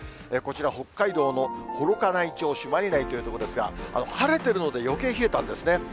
こちら北海道の幌加内町朱鞠内という所ですが、晴れてるのでよけい冷えたんですね。